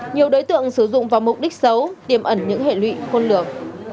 nhiều đối tượng sử dụng vào mục đích xấu tiêm ẩn những hệ lụy khôn lược